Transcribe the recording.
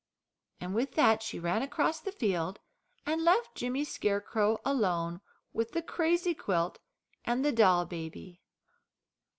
And with that she ran cross the field, and left Jimmy Scarecrow alone with the crazy quilt and the doll baby.